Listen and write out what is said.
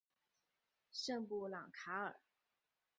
圣布朗卡尔。